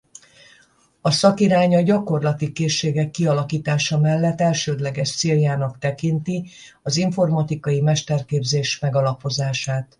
A szakirány a gyakorlati készségek kialakítása mellett elsődleges céljának tekinti az informatikai mesterképzés megalapozását.